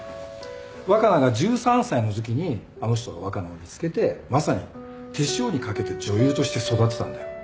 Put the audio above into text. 若菜が１３歳のときにあの人が若菜を見つけてまさに手塩にかけて女優として育てたんだよ。